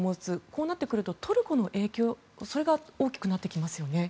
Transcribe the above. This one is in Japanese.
こうなってくるとトルコの影響が大きくなってきますよね。